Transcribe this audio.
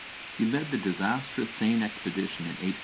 He led the disastrous Seine expedition in 845 (_v.